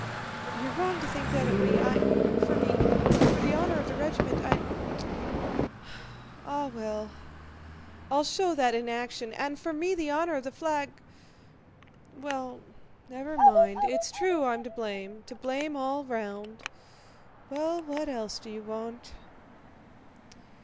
You're wrong to think that of me... I... for me... for the honor of the regiment I'd... Ah well, I'll show that in action, and for me the honor of the flag... Well, never mind, it's true I'm to blame, to blame all round. Well, what else do you want?..."